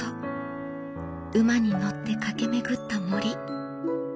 馬に乗って駆け巡った森。